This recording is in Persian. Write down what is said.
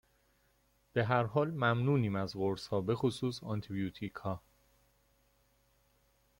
به هر حال ممنونیم از قرصها، بخصوص آنتیبیوتیکها